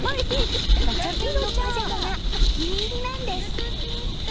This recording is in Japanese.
ガチャピンのパジャマがお気に入りなんです。